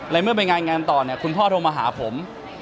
แล้วเมื่อไปงานอีกงานต่อคุณพ่อโทรมาหาผม